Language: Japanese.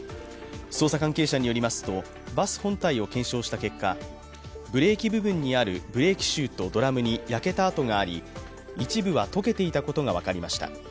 捜査関係者によりますとバス本体を検証した結果ブレーキ部分にあるブレーキシューとドラムに焼けた跡があり、一部は溶けていたことが分かりました。